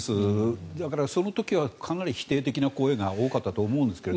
その時はかなり否定的な声が多かったと思うんですが。